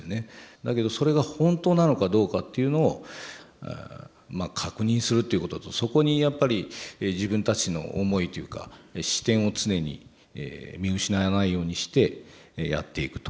だけどそれが本当なのかどうかっていうのを確認するということとそこにやっぱり自分たちの思いというか視点を常に見失わないようにしてやっていくと。